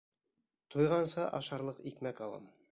— Туйғансы ашарлыҡ икмәк алам...